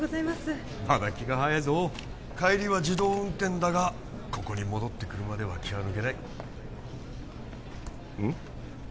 まだ気が早いぞ帰りは自動運転だがここに戻ってくるまでは気は抜けないうん？